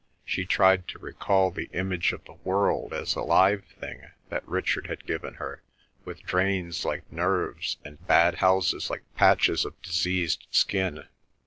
She tried to recall the image of the world as a live thing that Richard had given her, with drains like nerves, and bad houses like patches of diseased skin.